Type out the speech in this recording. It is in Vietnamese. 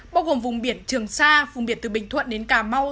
bao gồm vùng biển trường sa vùng biển từ bình thuận đến cà mau